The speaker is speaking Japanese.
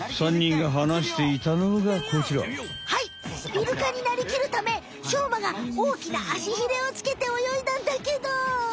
イルカになりきるためしょうまがおおきなあしひれをつけて泳いだんだけど。